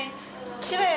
きれい。